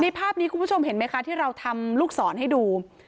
ภาพนี้คุณผู้ชมเห็นไหมคะที่เราทำลูกศรให้ดู